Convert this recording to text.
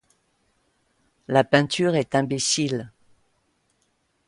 La peinture est imbécile.